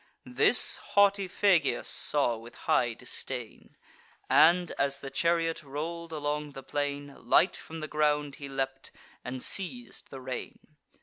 This haughty Phegeus saw with high disdain, And, as the chariot roll'd along the plain, Light from the ground he leapt, and seiz'd the rein.